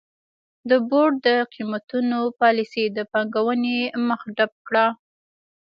د بورډ د قېمتونو پالیسۍ د پانګونې مخه ډپ کړه.